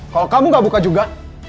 kalau kamu gak buka juga